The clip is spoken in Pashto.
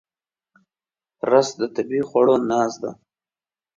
رس د طبیعي خواړو ناز ده